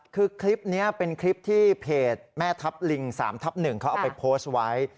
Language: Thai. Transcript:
คือคลิปนี้เป็นคลิปที่เพจแม่ทัพลิง๓ทับ๑เขาเอาไปโพสต์ไว้